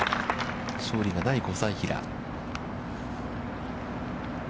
勝利がない小斉平。